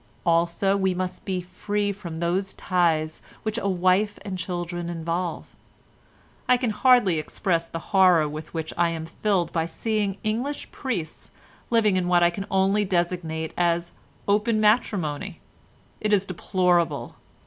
Also we must be free from those ties which a wife and children involve. I can hardly express the horror with which I am filled by seeing English priests living in what I can only designate as 'open matrimony.' It is deplorable.